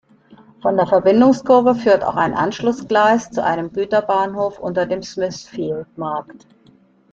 Von der Verbindungskurve führte auch ein Anschlussgleis zu einem Güterbahnhof unter dem Smithfield-Markt.